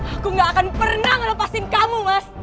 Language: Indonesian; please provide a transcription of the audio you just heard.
aku gak akan pernah ngelepasin kamu mas